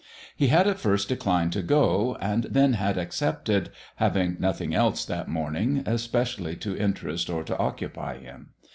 He had at first declined to go, and then had accepted, having nothing else that morning especially to interest or to occupy him.